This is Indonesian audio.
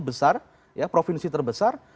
besar ya provinsi terbesar